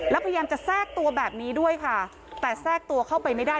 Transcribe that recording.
แล้วพยายามจะแทรกตัวแบบนี้ด้วยค่ะแต่แทรกตัวเข้าไปไม่ได้